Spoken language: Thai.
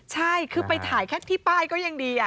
ใช่คือไปถ่ายแค่ที่ป้ายก็ยังดี